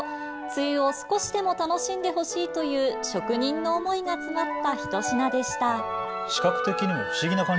梅雨を少しでも楽しんでほしいという職人の思いが詰まった一品でした。